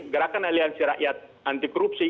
gerakan aliansi rakyat anti korupsi